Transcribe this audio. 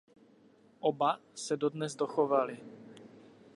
Oba se dodnes dochovaly.